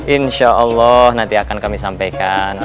insya allah nanti akan kami sampaikan